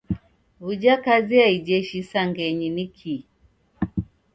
W'uja kazi ya ijeshi isangenyi ni kii?